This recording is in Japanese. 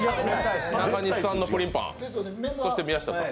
中西さんのプリンパン、そして宮下さん。